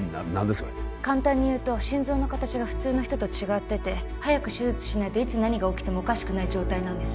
それ簡単にいうと心臓の形が普通の人と違ってて早く手術しないといつ何が起きてもおかしくない状態なんです